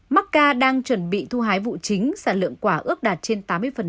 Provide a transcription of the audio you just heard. macca đang chuẩn bị thu hái vụ chính sản lượng quả ước đạt trên tám mươi